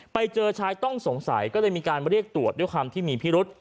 ไปเจอชายต้องสงสัยก็เลยมีการเรียกตรวจด้วยความที่มีพิรุษ